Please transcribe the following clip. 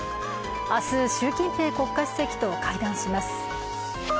明日、習近平国家主席と会談します。